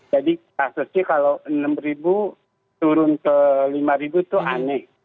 jadi kasusnya kalau enam turun ke lima itu aneh